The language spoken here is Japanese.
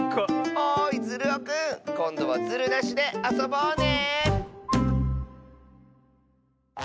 おいズルオくんこんどはズルなしであそぼうね！